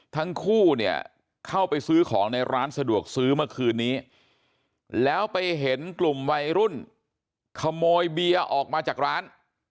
ทั้งคู่เนี่ยเข้าไปซื้อของในร้านสะดวกซื้อเมื่อคืนนี้แล้วไปเห็นกลุ่มวัยรุ่นขโมยเบียร์ออกมาจากร้าน